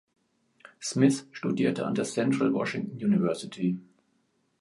Smith studierte an der Central Washington University.